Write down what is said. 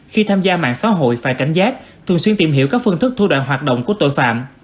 khi tham gia mạng xã hội phải cảnh giác thường xuyên tìm hiểu các phương thức thu đoạn hoạt động của tội phạm